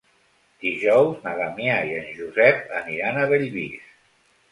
Dijous na Damià i en Josep aniran a Bellvís.